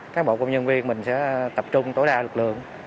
các bộ công nhân viên mình sẽ tập trung tối đa lực lượng